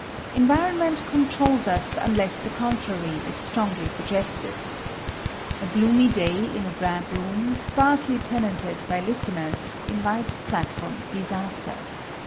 Environment controls us unless the contrary is strongly suggested. A gloomy day, in a drab room, sparsely tenanted by listeners, invites platform disaster.